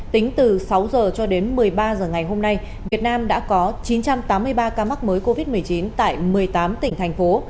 tính từ sáu h cho đến một mươi ba h ngày hôm nay việt nam đã có chín trăm tám mươi ba ca mắc mới covid một mươi chín tại một mươi tám tỉnh thành phố